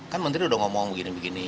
kan menteri udah ngomong begini begini